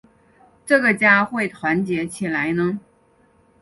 这个家会团结起来呢？